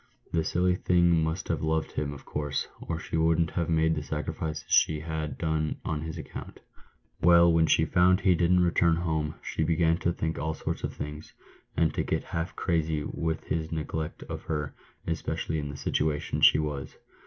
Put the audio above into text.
"The silly thing must have loved him, of course, or she wouldn't have made the sacrifices she had done on his account. Well, when she found he didn't return home, she began to think all sorts of things, and to get half crazy with his neglect of her, especially in the situation she was.